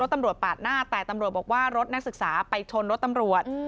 ตำรวจปาดหน้าแต่ตำรวจบอกว่ารถนักศึกษาไปชนรถตำรวจ